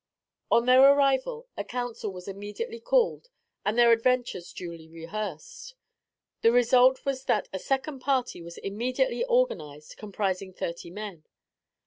On their arrival, a council was immediately called and their adventures duly rehearsed. The result was that a second party was immediately organized comprising thirty men.